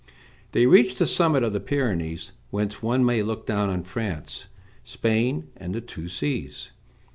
They reached the summit of the Pyrenees, whence one may look down on France, Spain, and the two seas.